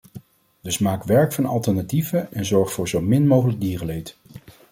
Dus maak werk van alternatieven en zorg voor zo min mogelijk dierenleed.